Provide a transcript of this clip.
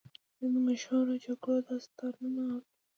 زه د مشهورو جګړو داستانونه اورم.